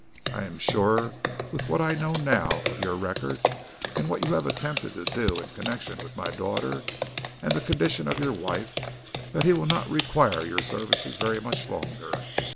I'm sure with what I know now of your record, and what you have attempted to do in connection with my daughter, and the condition of your wife, that he will not require your services very much longer.